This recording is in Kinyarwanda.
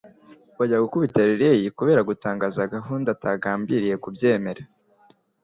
bajya gukubita Riley kubera gutangaza gahunda atagambiriye kubyemera